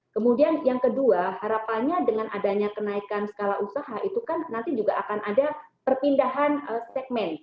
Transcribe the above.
kemudian yang kedua harapannya dengan adanya kenaikan skala usaha itu kan nanti juga akan ada perpindahan segmen